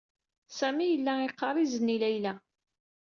Sami yella iqqaṛ izen i Layla.